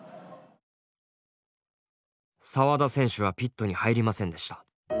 沢田選手はピットに入りませんでした。